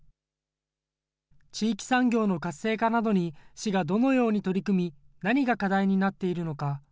地域産業の活性化などに市がどのように取り組み、何が課題になっているのか。